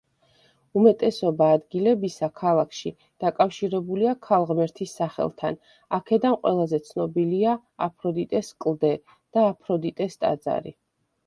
უმეტესობა ადგილებისა ქალაქში დაკავშირებულია ქალღმერთის სახელთან, აქედან ყველაზე ცნობილია აფროდიტეს კლდე და აფროდიტეს ტაძარი.